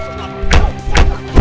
perintah adalah tangannya